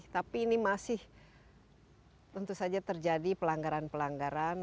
tapi ini masih tentu saja terjadi pelanggaran pelanggaran